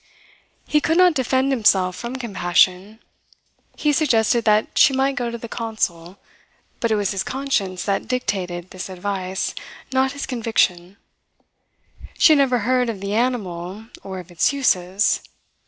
He could not defend himself from compassion. He suggested that she might go to the consul, but it was his conscience that dictated this advice, not his conviction. She had never heard of the animal or of its uses.